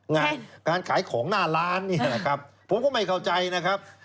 งานการขายของหน้าร้านเนี่ยนะครับผมก็ไม่เข้าใจนะครับ